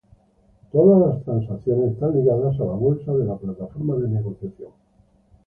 Todas las transacciones están ligadas a la bolsa de la plataforma de negociación.